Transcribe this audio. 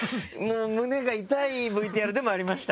胸が痛いＶＴＲでもありました。